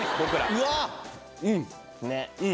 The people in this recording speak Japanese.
うわっ。ね。